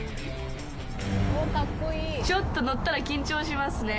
ちょっと乗ったら緊張しますね。